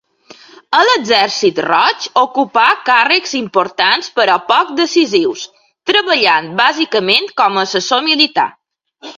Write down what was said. A l'Exèrcit Roig ocupà càrrecs importants però poc decisius, treballant bàsicament com a assessor militar.